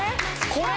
これ？